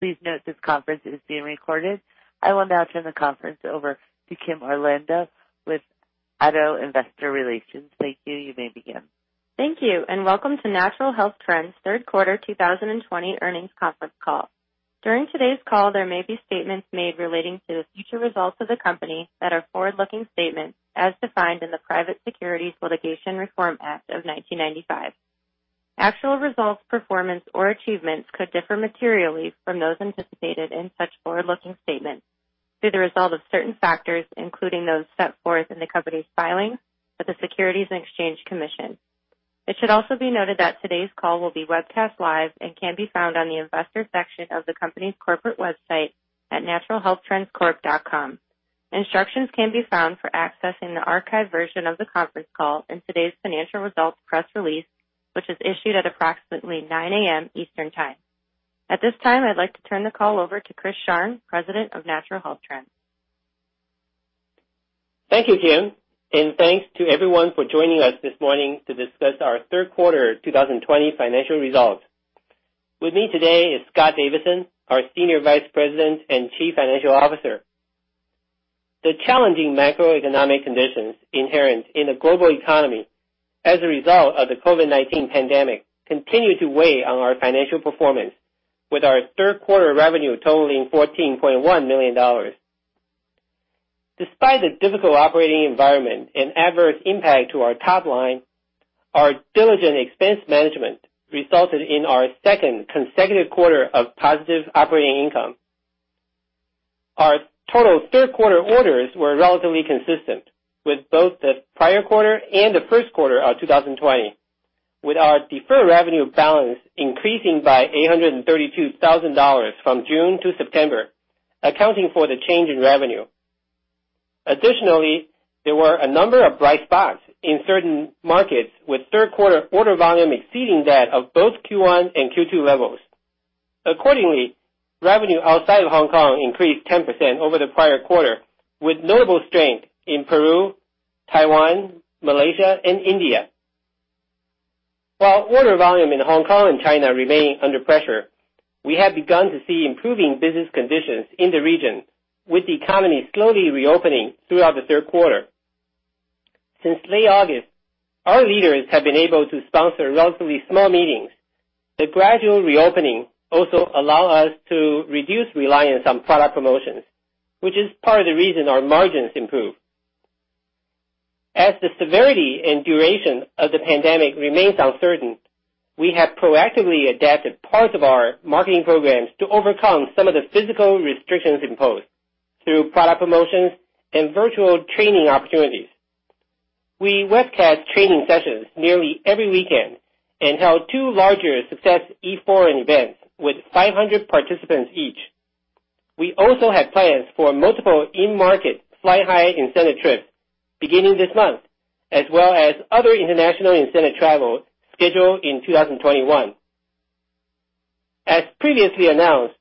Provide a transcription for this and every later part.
Please note that this conference is being recorded. I will now turn the conference over to Kimberly Orlando with ADDO Investor Relations. Thank you. You may begin. Thank you, and welcome to Natural Health Trends' third quarter 2020 earnings conference call. During today's call, there may be statements made relating to the future results of the company that are forward-looking statements as defined in the Private Securities Litigation Reform Act of 1995. Actual results, performance, or achievements could differ materially from those anticipated in such forward-looking statements due to the result of certain factors, including those set forth in the company's filings with the Securities and Exchange Commission. It should also be noted that today's call will be webcast live and can be found on the investors section of the company's corporate website at naturalhealthtrendscorp.com. Instructions can be found for accessing the archived version of the conference call in today's financial results press release, which is issued at approximately 9:00 A.M. Eastern Time. At this time, I'd like to turn the call over to Chris Sharng, President of Natural Health Trends. Thank you, Kim, and thanks to everyone for joining us this morning to discuss our third quarter 2020 financial results. With me today is Scott Davidson, our Senior Vice President and Chief Financial Officer. The challenging macroeconomic conditions inherent in the global economy as a result of the COVID-19 pandemic continue to weigh on our financial performance, with our third quarter revenue totaling $14.1 million. Despite the difficult operating environment and adverse impact to our top line, our diligent expense management resulted in our second consecutive quarter of positive operating income. Our total third-quarter orders were relatively consistent with both the prior quarter and the first quarter of 2020, with our deferred revenue balance increasing by $832,000 from June to September, accounting for the change in revenue. Additionally, there were a number of bright spots in certain markets, with third quarter order volume exceeding that of both Q1 and Q2 levels. Accordingly, revenue outside of Hong Kong increased 10% over the prior quarter, with notable strength in Peru, Taiwan, Malaysia, and India. While order volume in Hong Kong and China remain under pressure, we have begun to see improving business conditions in the region, with the economy slowly reopening throughout the third quarter. Since late August, our leaders have been able to sponsor relatively small meetings. The gradual reopening also allow us to reduce reliance on product promotions, which is part of the reason our margins improved. As the severity and duration of the pandemic remains uncertain, we have proactively adapted parts of our marketing programs to overcome some of the physical restrictions imposed through product promotions and virtual training opportunities. We webcast training sessions nearly every weekend and held two larger Success E-Forum events with 500 participants each. We also have plans for multiple in-market Fly High incentive trips beginning this month, as well as other international incentive travel scheduled in 2021. As previously announced,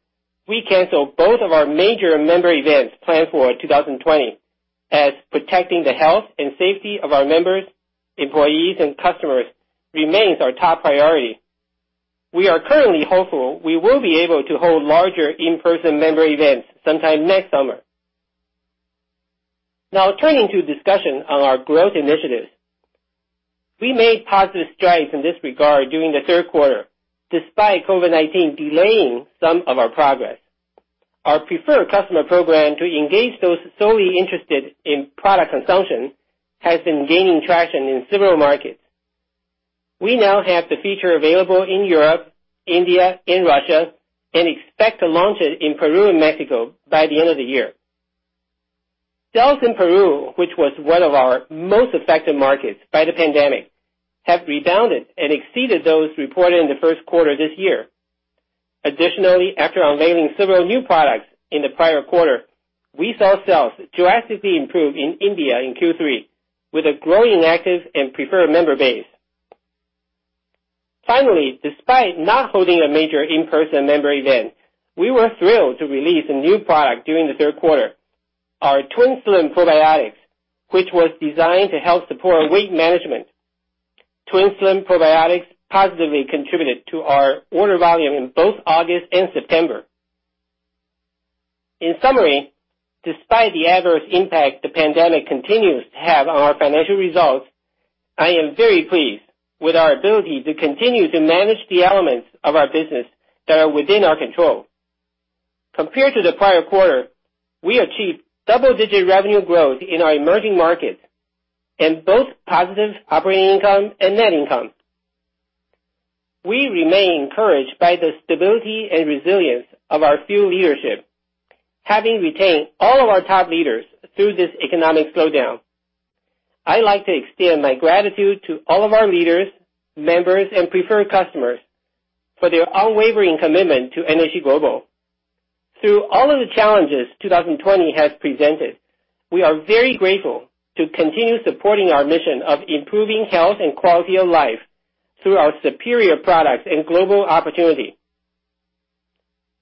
we canceled both of our major member events planned for 2020, as protecting the health and safety of our members, employees, and customers remains our top priority. We are currently hopeful we will be able to hold larger in-person member events sometime next summer. Now turning to discussion on our growth initiatives. We made positive strides in this regard during the third quarter, despite COVID-19 delaying some of our progress. Our Preferred Customer Program to engage those solely interested in product consumption has been gaining traction in several markets. We now have the feature available in Europe, India, and Russia, and expect to launch it in Peru and Mexico by the end of the year. Sales in Peru, which was one of our most affected markets by the pandemic, have rebounded and exceeded those reported in the first quarter this year. Additionally, after unveiling several new products in the prior quarter, we saw sales drastically improve in India in Q3 with a growing active and preferred member base. Finally, despite not holding a major in-person member event, we were thrilled to release a new product during the third quarter, our TwinSlim Probiotics, which was designed to help support weight management. TwinSlim Probiotics positively contributed to our order volume in both August and September. In summary, despite the adverse impact the pandemic continues to have on our financial results, I am very pleased with our ability to continue to manage the elements of our business that are within our control. Compared to the prior quarter, we achieved double-digit revenue growth in our emerging markets and both positive operating income and net income. We remain encouraged by the stability and resilience of our field leadership, having retained all of our top leaders through this economic slowdown. I'd like to extend my gratitude to all of our leaders, members, and Preferred Customers for their unwavering commitment to NHT Global. Through all of the challenges 2020 has presented, we are very grateful to continue supporting our mission of improving health and quality of life through our superior products and global opportunity.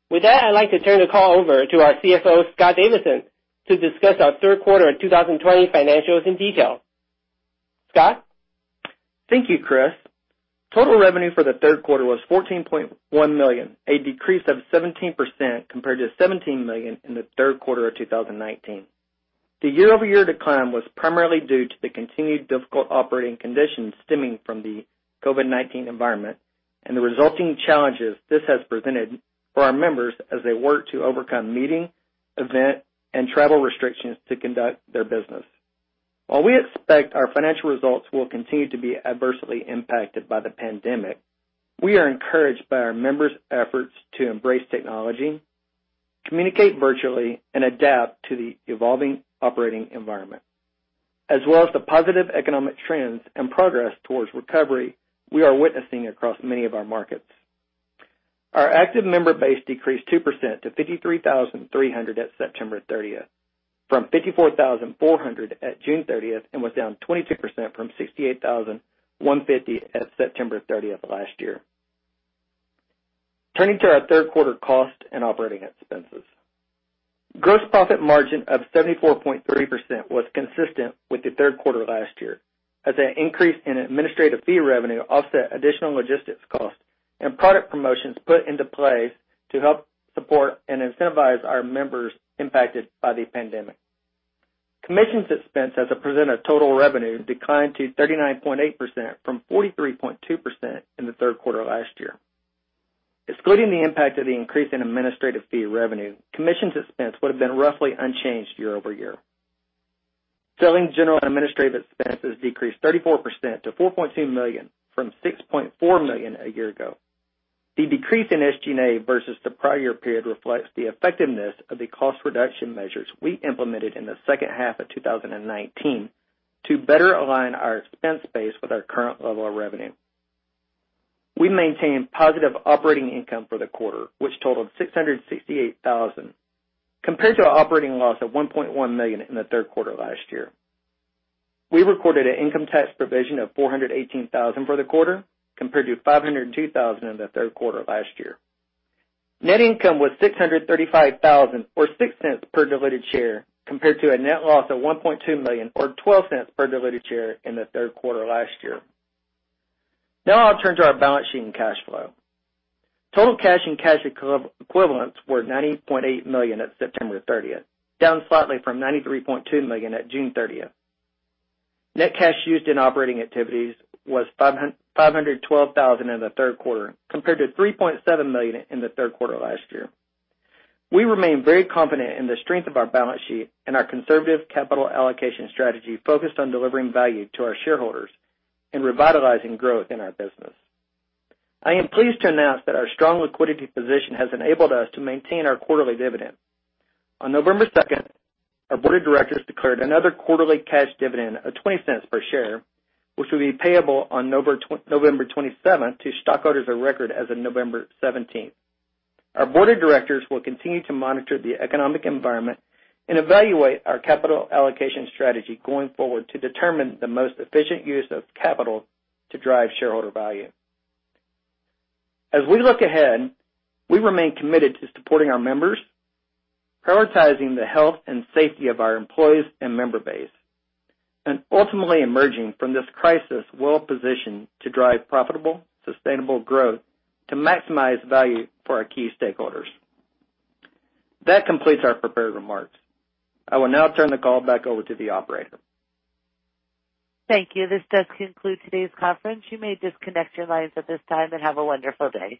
With that, I'd like to turn the call over to our CFO, Scott Davidson, to discuss our third quarter 2020 financials in detail. Scott? Thank you, Chris Sharng. Total revenue for the third quarter was $14.1 million, a decrease of 17% compared to $17 million in the third quarter of 2019. The year-over-year decline was primarily due to the continued difficult operating conditions stemming from the COVID-19 environment and the resulting challenges this has presented for our members as they work to overcome meeting, event, and travel restrictions to conduct their business. While we expect our financial results will continue to be adversely impacted by the pandemic, we are encouraged by our members' efforts to embrace technology, communicate virtually, and adapt to the evolving operating environment, as well as the positive economic trends and progress towards recovery we are witnessing across many of our markets. Our active member base decreased 2% to 53,300 at September 30th, from 54,400 at June 30th, and was down 22% from 68,150 at September 30th last year. Turning to our third quarter cost and operating expenses. Gross profit margin of 74.3% was consistent with the third quarter last year as an increase in administrative fee revenue offset additional logistics costs and product promotions put into place to help support and incentivize our members impacted by the pandemic. Commission expense as a percent of total revenue declined to 39.8% from 43.2% in the third quarter last year. Excluding the impact of the increase in administrative fee revenue, commission expense would've been roughly unchanged year-over-year. Selling, General and Administrative Expenses decreased 34% to $4.2 million from $6.4 million a year ago. The decrease in SG&A versus the prior period reflects the effectiveness of the cost reduction measures we implemented in the second half of 2019 to better align our expense base with our current level of revenue. We maintained positive operating income for the quarter, which totaled $668,000, compared to operating loss of $1.1 million in the third quarter last year. We recorded an income tax provision of $418,000 for the quarter, compared to $502,000 in the third quarter last year. Net income was $635,000 or $0.06 per diluted share, compared to a net loss of $1.2 million or $0.12 per diluted share in the third quarter last year. Now I'll turn to our balance sheet and cash flow. Total cash and cash equivalents were $90.8 million at September 30th, down slightly from $93.2 million at June 30th. Net cash used in operating activities was $512 thousand in the third quarter, compared to $3.7 million in the third quarter last year. We remain very confident in the strength of our balance sheet and our conservative capital allocation strategy focused on delivering value to our shareholders and revitalizing growth in our business. I am pleased to announce that our strong liquidity position has enabled us to maintain our quarterly dividend. On November 2nd, our board of directors declared another quarterly cash dividend of $0.20 per share, which will be payable on November 27th to stockholders of record as of November 17th. Our board of directors will continue to monitor the economic environment and evaluate our capital allocation strategy going forward to determine the most efficient use of capital to drive shareholder value. As we look ahead, we remain committed to supporting our members, prioritizing the health and safety of our employees and member base, and ultimately emerging from this crisis well-positioned to drive profitable, sustainable growth to maximize value for our key stakeholders. That completes our prepared remarks. I will now turn the call back over to the operator. Thank you. This does conclude today's conference. You may disconnect your lines at this time, and have a wonderful day.